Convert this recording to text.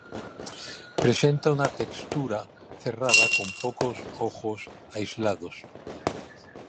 Presenta una textura cerrada con pocos ojos aislados.